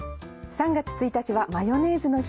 ３月１日はマヨネーズの日。